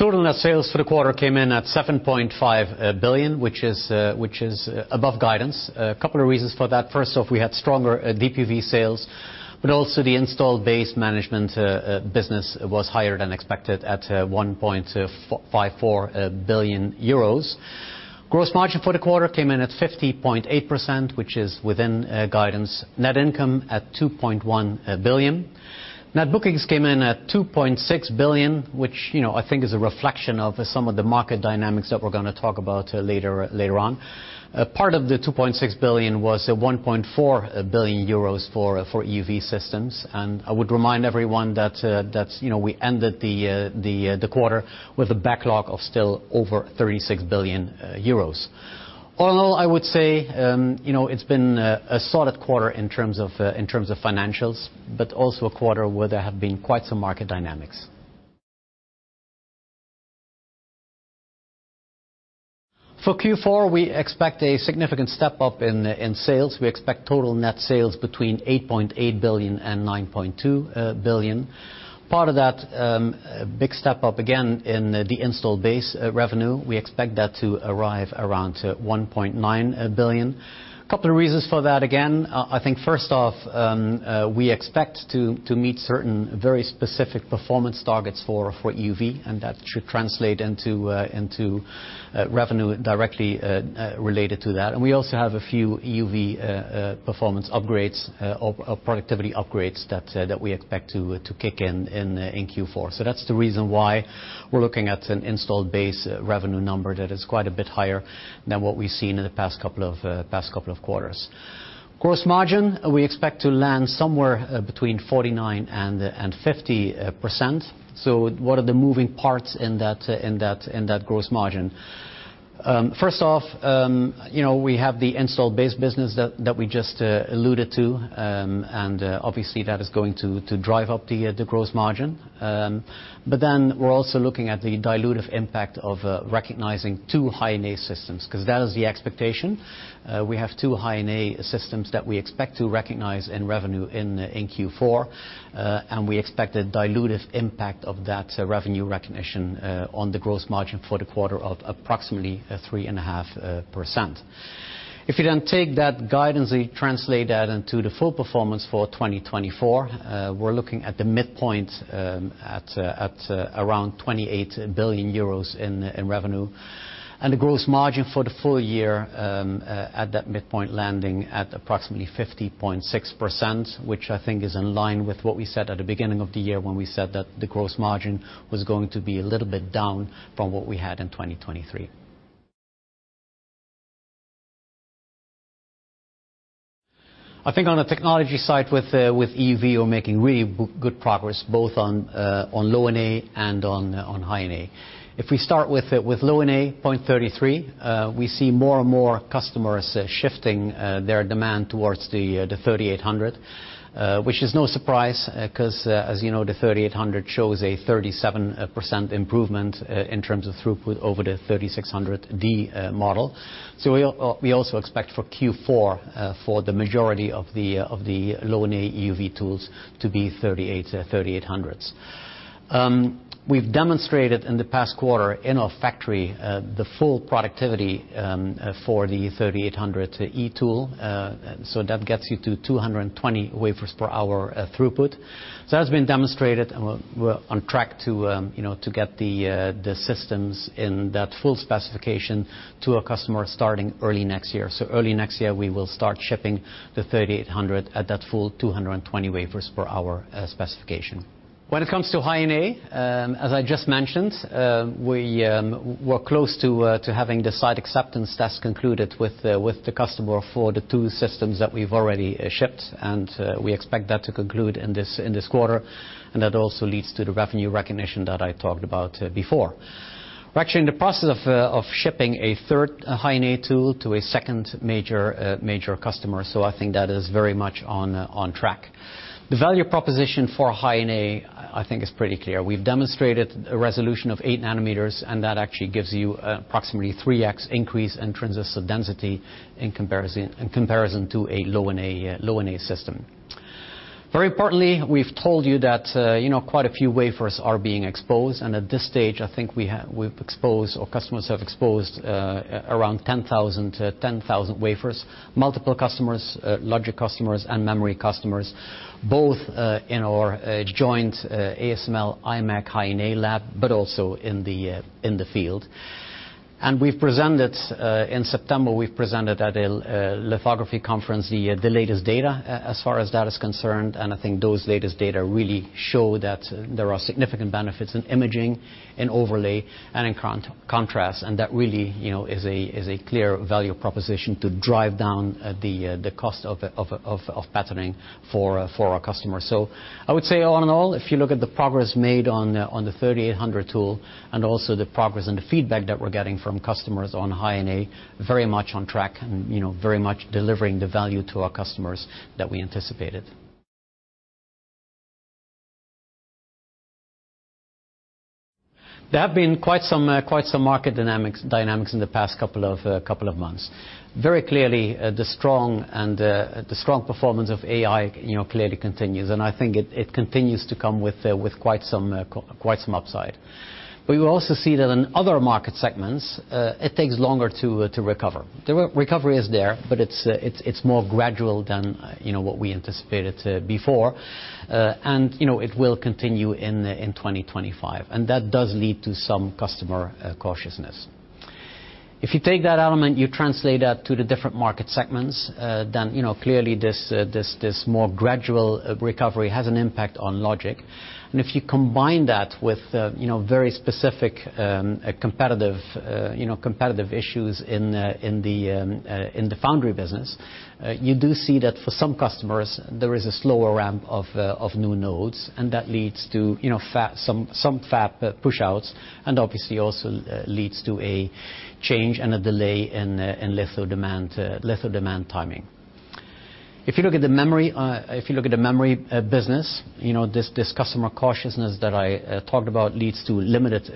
Total net sales for the quarter came in at 7.5 billion, which is above guidance. A couple of reasons for that. First off, we had stronger DUV sales, but also the Installed Base Management business was higher than expected at 1.54 billion euros. Gross margin for the quarter came in at 50.8%, which is within guidance. Net income at 2.1 billion . Net bookings came in at 2.6 billion, which, you know, I think is a reflection of some of the market dynamics that we're gonna talk about later on. Part of the 2.6 billion was 1.4 billion euros for EUV systems, and I would remind everyone that you know we ended the quarter with a backlog of still over 36 billion euros. All in all, I would say you know it's been a solid quarter in terms of financials, but also a quarter where there have been quite some market dynamics. For Q4, we expect a significant step-up in sales. We expect total net sales between 8.8 billion and 9.2 billion. Part of that big step up again in the installed base revenue, we expect that to arrive around to 1.9 billion. A couple of reasons for that again. I think first off, we expect to meet certain very specific performance targets for EUV, and that should translate into revenue directly related to that, and we also have a few EUV performance upgrades or productivity upgrades that we expect to kick in in Q4, so that's the reason why we're looking at an installed base revenue number that is quite a bit higher than what we've seen in the past couple of quarters. Gross margin, we expect to land somewhere between 49% and 50%, so what are the moving parts in that gross margin? First off, you know, we have the installed base business that we just alluded to, and obviously, that is going to drive up the gross margin. But then we're also looking at the dilutive impact of recognizing two High-NA systems, 'cause that is the expectation. We have two High-NA systems that we expect to recognize in revenue in Q4, and we expect a dilutive impact of that revenue recognition on the gross margin for the quarter of approximately 3.5%. If you then take that guidance and translate that into the full performance for 2024, we're looking at the midpoint, at around 28 billion euros in revenue, and the gross margin for the full year, at that midpoint, landing at approximately 50.6%, which I think is in line with what we said at the beginning of the year when we said that the gross margin was going to be a little bit down from what we had in 2023. I think on the technology side with EUV, we're making really good progress, both on Low-NA and on High-NA. If we start with Low-NA 0.33, we see more and more customers shifting their demand towards the 3800, which is no surprise, 'cause, as you know, the 3800 shows a 37% improvement in terms of throughput over the 3600D model. So we also expect for Q4, for the majority of the Low-NA EUV tools to be 3800s. We've demonstrated in the past quarter in our factory the full productivity for the 3800E tool. so that gets you to 220 wafers per hour throughput. So that's been demonstrated, and we're on track to, you know, to get the systems in that full specification to our customers starting early next year. So early next year, we will start shipping the 3800 at that full 220 wafers per hour specification. When it comes to High-NA, as I just mentioned, we're close to having the site acceptance test concluded with the customer for the two systems that we've already shipped, and we expect that to conclude in this quarter, and that also leads to the revenue recognition that I talked about before. We're actually in the process of shipping a third High-NA tool to a second major customer, so I think that is very much on track. The value proposition for High-NA, I think is pretty clear. We've demonstrated a resolution of eight nanometers, and that actually gives you approximately 3x increase in transistor density in comparison to a Low-NA system. Very importantly, we've told you that, you know, quite a few wafers are being exposed, and at this stage, I think we have. We've exposed or customers have exposed around 10,000 wafers. Multiple customers, logic customers and memory customers, both in our joint ASML-imec High-NA lab, but also in the field. We've presented in September at a lithography conference the latest data as far as that is concerned, and I think those latest data really show that there are significant benefits in imaging, in overlay, and in contrast. That really, you know, is a clear value proposition to drive down the cost of patterning for our customers. I would say all in all, if you look at the progress made on the 3800 tool and also the progress and the feedback that we're getting from customers on High-NA, very much on track and, you know, very much delivering the value to our customers that we anticipated. There have been quite some market dynamics in the past couple of months. Very clearly, the strong performance of AI, you know, clearly continues, and I think it continues to come with quite some upside. But you also see that in other market segments, it takes longer to recover. The recovery is there, but it's more gradual than, you know, what we anticipated before, and you know, it will continue in twenty twenty-five, and that does lead to some customer cautiousness. If you take that element, you translate that to the different market segments, then, you know, clearly this more gradual recovery has an impact on logic. And if you combine that with, you know, very specific competitive, you know, competitive issues in the foundry business, you do see that for some customers, there is a slower ramp of new nodes, and that leads to, you know, some fab pushouts, and obviously also leads to a change and a delay in litho demand, litho demand timing. If you look at the memory business, you know, this customer cautiousness that I talked about leads to limited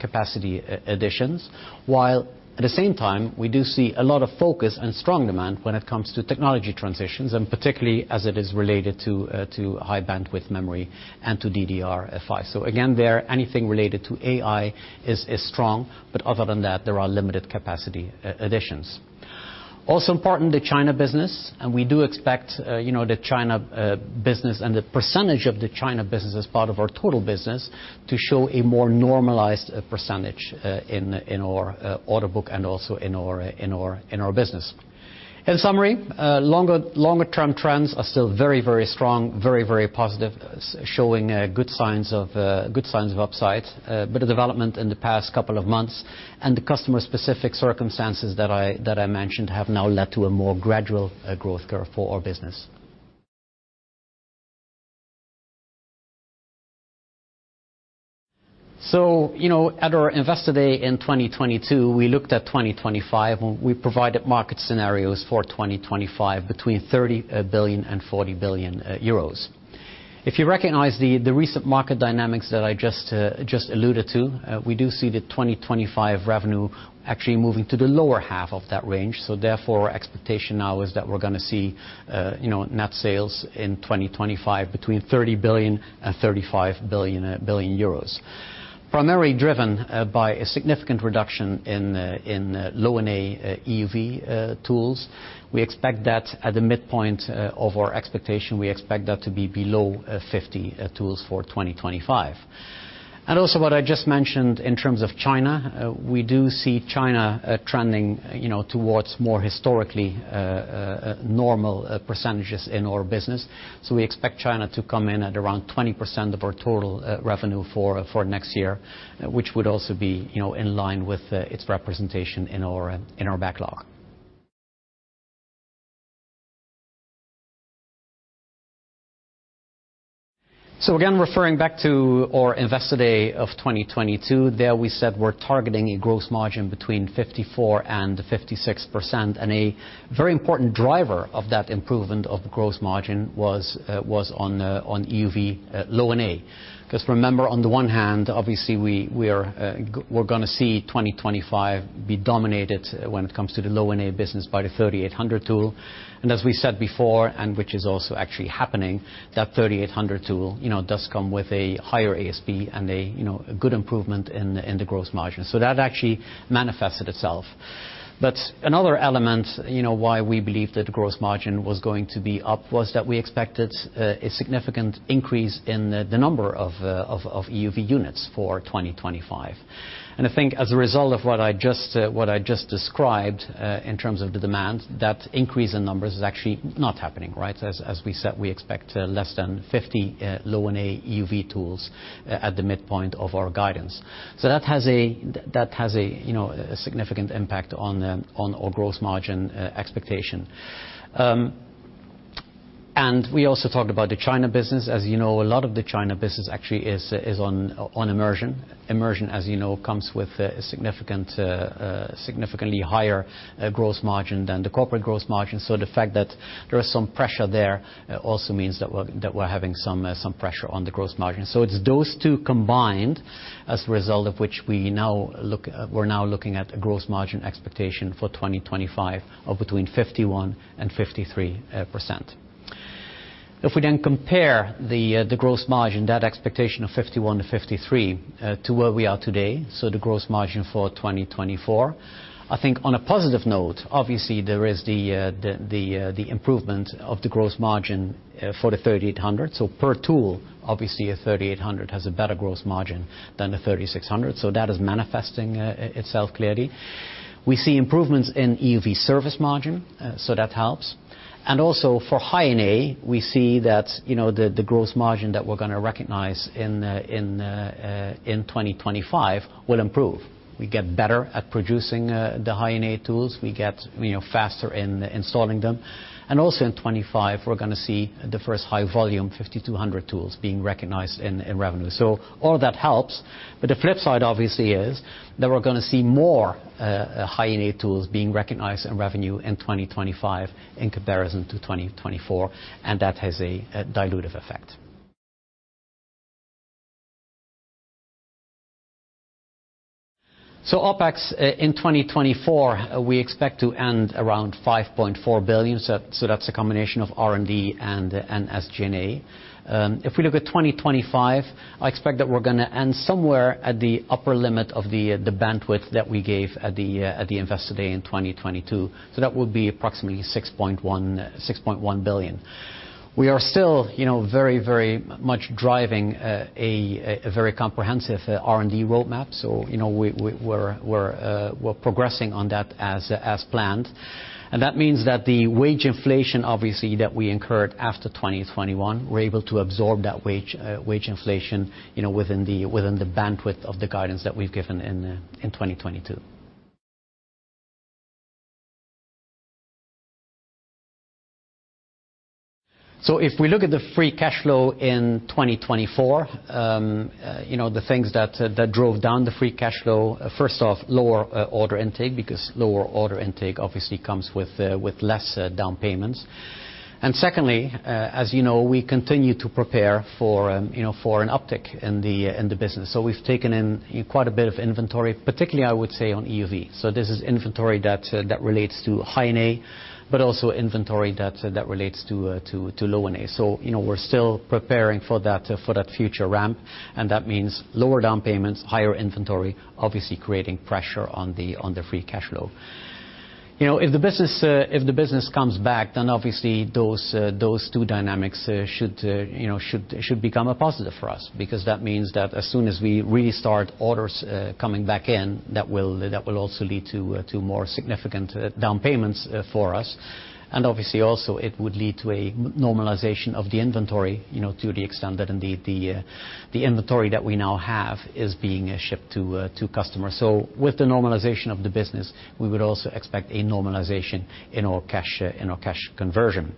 capacity additions. While at the same time, we do see a lot of focus and strong demand when it comes to technology transitions, and particularly as it is related to High Bandwidth Memory and to DDR5. So again, there, anything related to AI is strong, but other than that, there are limited capacity additions. Also important, the China business, and we do expect, you know, the China business and the percentage of the China business as part of our total business to show a more normalized percentage in our order book and also in our business. In summary, longer-term trends are still very positive, showing good signs of upside. But the development in the past couple of months and the customer-specific circumstances that I mentioned have now led to a more gradual growth curve for our business. So, you know, at our Investor Day in 2022, we looked at 2025, and we provided market scenarios for 2025, between 30 billion and 40 billion euros. If you recognize the recent market dynamics that I just alluded to, we do see the 2025 revenue actually moving to the lower half of that range. So therefore, our expectation now is that we're gonna see, you know, net sales in 2025 between 30 billion and 35 billion, primarily driven by a significant reduction in low-NA EUV tools. We expect that at the midpoint of our expectation, we expect that to be below 50 tools for 2025. And also, what I just mentioned in terms of China, we do see China trending, you know, towards more historically normal percentages in our business. So we expect China to come in at around 20% of our total revenue for next year, which would also be, you know, in line with its representation in our backlog. So again, referring back to our Investor Day of 2022, there we said we're targeting a gross margin between 54% and 56%. A very important driver of that improvement of the gross margin was on EUV Low-NA. Because remember, on the one hand, obviously, we are we're gonna see 2025 be dominated when it comes to the Low-NA business by the 3800 tool. As we said before, and which is also actually happening, that 3800 tool, you know, does come with a higher ASP and, you know, a good improvement in the gross margin. That actually manifested itself. Another element, you know, why we believe that the gross margin was going to be up, was that we expected a significant increase in the number of EUV units for 2025. I think as a result of what I just described in terms of the demand, that increase in numbers is actually not happening, right? As we said, we expect less than 50 Low-NA EUV tools at the midpoint of our guidance. So that has a you know a significant impact on our gross margin expectation. And we also talked about the China business. As you know, a lot of the China business actually is on immersion. Immersion, as you know, comes with significantly higher gross margin than the corporate gross margin. So the fact that there is some pressure there also means that we're having some pressure on the gross margin. So it's those two combined, as a result of which we're now looking at a gross margin expectation for 2025 of between 51 and 53%. If we then compare the gross margin, that expectation of 51%-53%, to where we are today, so the gross margin for 2024, I think on a positive note, obviously, there is the improvement of the gross margin for the 3800. So per tool, obviously, a 3800 has a better gross margin than a 3600, so that is manifesting itself clearly. We see improvements in EUV service margin, so that helps. And also, for High-NA, we see that, you know, the gross margin that we're gonna recognize in 2025 will improve. We get better at producing the High-NA tools. We get, you know, faster in installing them. And also in 2025, we're gonna see the first high-volume 5200 tools being recognized in revenue. So all that helps, but the flip side, obviously, is that we're gonna see more High-NA tools being recognized in revenue in 2025 in comparison to 2024, and that has a dilutive effect. So OpEx in 2024, we expect to end around 5.4 billion. So that's a combination of R&D and SG&A. If we look at 2025, I expect that we're gonna end somewhere at the upper limit of the bandwidth that we gave at the Investor Day in 2022. So that will be approximately 6.1 billion. We are still, you know, very much driving a very comprehensive R&D roadmap. So, you know, we're progressing on that as planned. And that means that the wage inflation, obviously, that we incurred after twenty twenty-one, we're able to absorb that wage inflation, you know, within the bandwidth of the guidance that we've given in twenty twenty-two. So if we look at the free cash flow in twenty twenty-four, you know, the things that drove down the free cash flow, first off, lower order intake, because lower order intake obviously comes with less down payments. And secondly, as you know, we continue to prepare for, you know, for an uptick in the business. So we've taken in quite a bit of inventory, particularly, I would say, on EUV. So this is inventory that relates to High-NA, but also inventory that relates to Low-NA. You know, we're still preparing for that future ramp, and that means lower down payments, higher inventory, obviously creating pressure on the free cash flow. You know, if the business comes back, then obviously, those two dynamics should, you know, become a positive for us. Because that means that as soon as we restart orders coming back in, that will also lead to more significant down payments for us. And obviously, also, it would lead to a normalization of the inventory, you know, to the extent that indeed the inventory that we now have is being shipped to customers. So with the normalization of the business, we would also expect a normalization in our cash, in our cash conversion.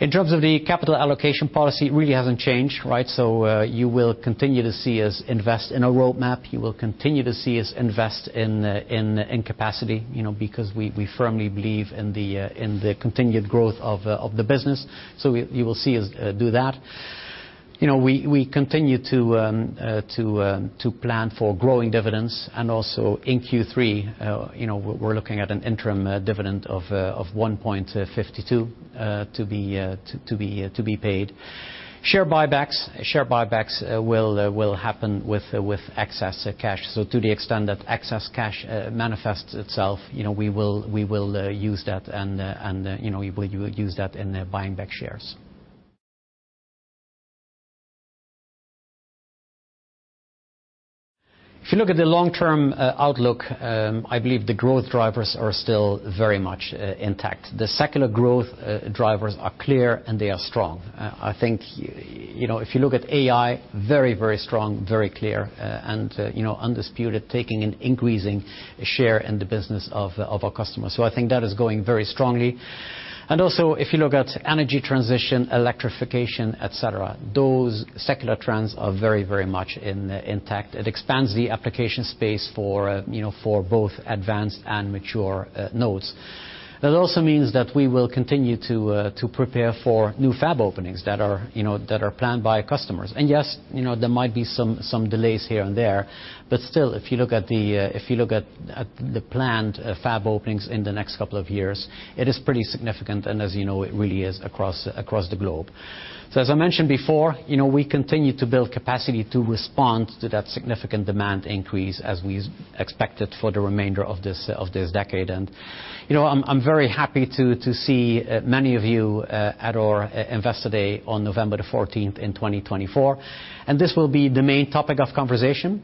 In terms of the capital allocation policy, it really hasn't changed, right? So, you will continue to see us invest in our roadmap. You will continue to see us invest in capacity, you know, because we firmly believe in the continued growth of the business. You will see us do that. You know, we continue to plan for growing dividends, and also in Q3, you know, we're looking at an interim dividend of 1.52 to be paid. Share buybacks will happen with excess cash. To the extent that excess cash manifests itself, you know, we will use that, and you know, we will use that in buying back shares. If you look at the long-term outlook, I believe the growth drivers are still very much intact. The secular growth drivers are clear, and they are strong. I think, you know, if you look at AI, very, very strong, very clear, and you know, undisputed, taking an increasing share in the business of our customers. I think that is going very strongly. Also, if you look at energy transition, electrification, et cetera, those secular trends are very, very much intact. It expands the application space for, you know, both advanced and mature nodes. That also means that we will continue to prepare for new fab openings that are, you know, planned by customers. Yes, you know, there might be some delays here and there, but still, if you look at the planned fab openings in the next couple of years, it is pretty significant, and as you know, it really is across the globe. So as I mentioned before, you know, we continue to build capacity to respond to that significant demand increase, as we expected for the remainder of this decade. You know, I'm very happy to see many of you at our Investor Day on 14th November the 14th in 2024, and this will be the main topic of conversation.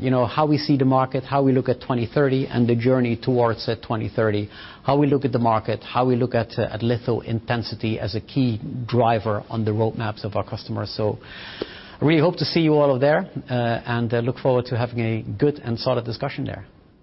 You know how we see the market, how we look at 2030, and the journey towards 2030. How we look at the market, how we look at litho intensity as a key driver on the roadmaps of our customers. So I really hope to see you all there, and I look forward to having a good and solid discussion there.